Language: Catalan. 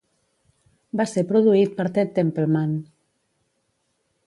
Va ser produït per Ted Templeman.